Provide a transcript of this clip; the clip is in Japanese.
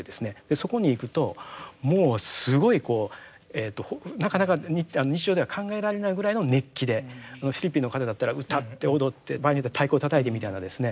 そこに行くともうすごいなかなか日常では考えられないぐらいの熱気でフィリピンの方だったら歌って踊って場合によっては太鼓をたたいてみたいなですね